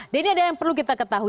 dan ini ada yang perlu kita ketahui